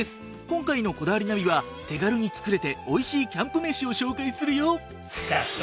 今回の『こだわりナビ』は手軽に作れておいしいキャンプ飯を紹介するよ。